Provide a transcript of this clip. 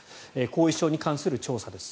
後遺症に関する調査です。